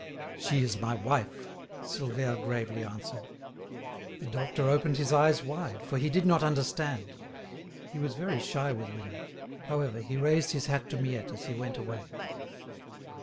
"She is my wife," Silvère gravely answered. The doctor opened his eyes wide, for he did not understand. He was very shy with women; however, he raised his hat to Miette as he went away.